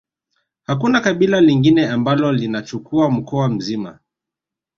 Hakuna kabila lingine ambalo linachukua mkoa mzima